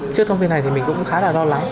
trước thông tin này thì mình cũng khá là lo lắng